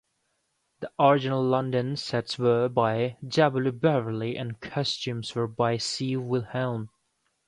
The original London sets were by W. Beverly, and costumes were by C. Wilhelm.